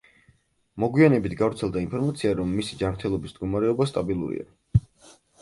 მოგვიანებით გავრცელდა ინფორმაცია, რომ მისი ჯანმრთელობის მდგომარეობა სტაბილურია.